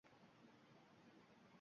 Yo’lchi obihayotni.